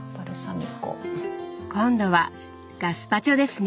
今度はガスパチョですね。